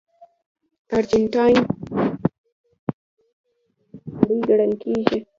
ارجنټاین په لومړي ځل لیدو سره جلا نړۍ ګڼل کېږي.